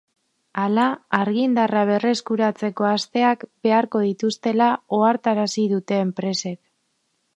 Hala, argindarra berreskuratzeko asteak beharko dituztela ohartarazi dute enpresek.